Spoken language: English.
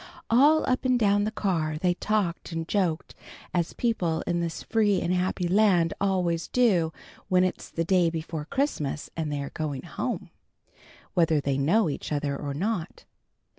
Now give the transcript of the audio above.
All up and down the car they talked and joked as people in this free and happy land always do when it's the day before Christmas and they are going home, whether they know each other or not.